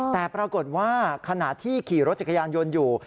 แต่ปรากฏว่าขณะที่ขี่รถจักรยานยนต์อยู่